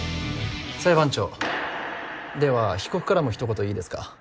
裁判長では被告からもひと言いいですか？